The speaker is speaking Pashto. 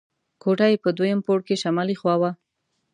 کوټه یې په دویم پوړ کې شمالي خوا وه.